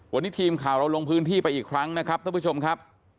วันนี้ทีมข่าวเราลงพื้นที่ไปอีกครั้งนะครับท่านผู้ชมครับ